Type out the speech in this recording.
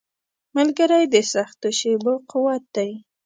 ملګری د سختو شېبو قوت دی.